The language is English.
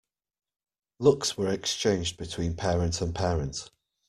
Looks were exchanged between parent and parent.